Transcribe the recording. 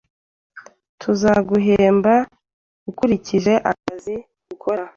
Tuzaguhemba ukurikije akazi ukora.